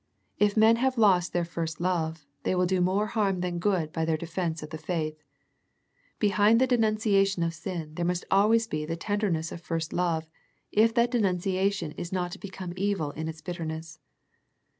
If men have lost their first love, they will do more harm than good by their defence of the faith. Behind the de nunciation of sin there must always be the tenderness of first love if that denunciation is not to become evil in its bitterness.